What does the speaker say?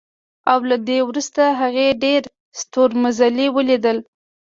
او له دې وروسته هغې ډېر ستورمزلي ولیدل